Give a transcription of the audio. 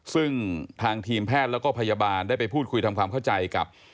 ซึ่งทางทีมแพทย์แล้วก็พยาบาลได้ไปพูดคุยทำความเข้าใจกับ